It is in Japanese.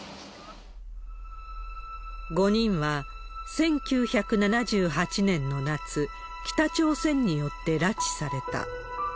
５人は、１９７８年の夏、北朝鮮によって拉致された。